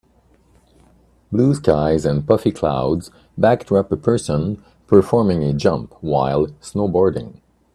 Blue skies and puffy clouds backdrop a person performing a jump while snowboarding.